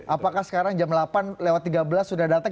apakah sekarang jam delapan lewat tiga belas sudah datang